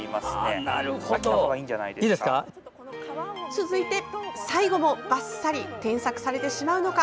続いて、最後もばっさり添削されてしまうのか？